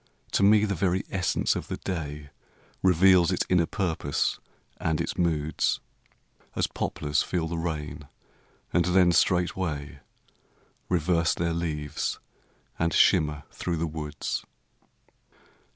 To me the very essence of the day Reveals its inner purpose and its moods; As poplars feel the rain and then straightway Reverse their leaves and shimmer through the woods.